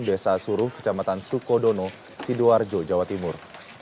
desa suruh kecamatan sukodono sidoarjo jawa timur